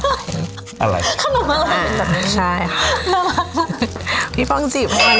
ขนมอะไรอ่าใช่ค่ะน้องมันพี่ป้องจีบขนมแบบนี้หน่อยค่ะ